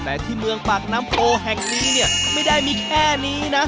แต่ที่เมืองปากน้ำโพแห่งนี้เนี่ยไม่ได้มีแค่นี้นะ